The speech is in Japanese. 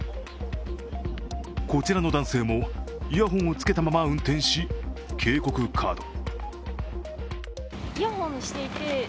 こちらの男性もイヤホンをつけたまま運転し、警告カード。